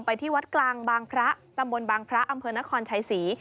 ที่วัดกลางบางพระตำบลบางพระอำเภอนครชัยศรี